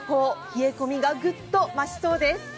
冷え込みがグッと増しそうです。